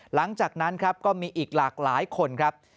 หลังจากนั้นครับก็มีอีกหลากหลายคนครับ